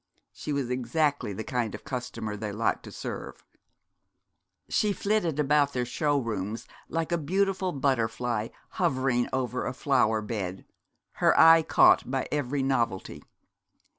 She was exactly the kind of customer they liked to serve. She flitted about their showrooms like a beautiful butterfly hovering over a flower bed her eye caught by every novelty.